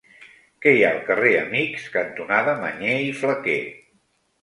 Què hi ha al carrer Amics cantonada Mañé i Flaquer?